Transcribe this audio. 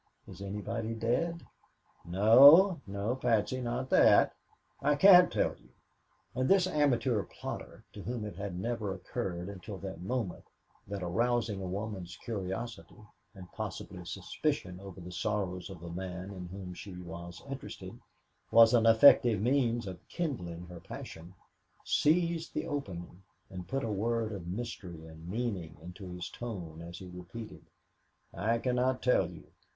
Is anybody dead?" "No no Patsy not that. I can't tell you " and this amateur plotter, to whom it had never occurred until that moment that arousing a woman's curiosity and possibly suspicion over the sorrows of a man in whom she was interested, was an effective means of kindling her passion, seized the opening and put a world of mystery and meaning into his tone as he repeated, "I cannot tell you."